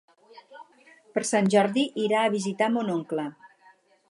Per Sant Jordi irà a visitar mon oncle.